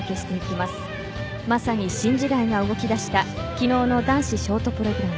まさに新時代が動き出した昨日の男子ショートプログラム。